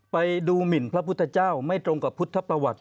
ไปดูหมินพระพุทธเจ้าไม่ตรงกับพุทธประวัติ